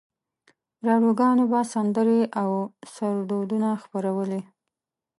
راډیوګانو به سندرې او سرودونه خپرولې.